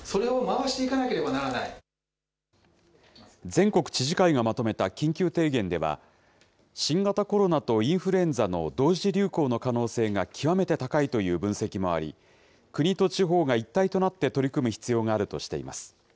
全国知事会がまとめた緊急提言では、新型コロナとインフルエンザの同時流行の可能性が極めて高いという分析もあり、国と地方が一体となって取り組む必要があるとしています。